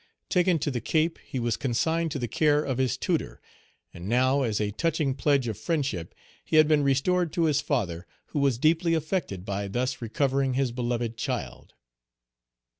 Taken to the Cape, he was consigned to the care of his tutor; and now, as a touching pledge of friendship, he had been restored to his father, who was deeply affected by thus recovering his beloved child.